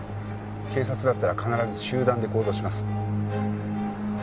警察だったら必ず集団で行動します。